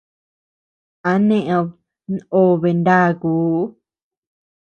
¿A neʼéd nobe ndakuu?